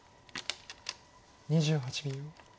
２８秒。